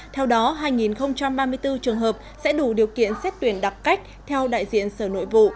theo đó hai ba mươi bốn trường hợp sẽ đủ điều kiện xét tuyển đặc cách theo đại diện sở nội vụ